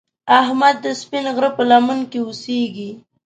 احمد د سپین غر په لمنه کې اوسږي.